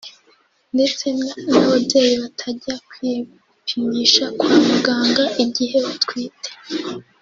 ndetse n’ababyeyi batajya kwipimisha kwa muganga igihe batwite